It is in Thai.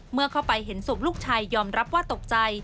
เมื่อเข้าไปเห็นศพลูกชายยอมรับว่าตกใจ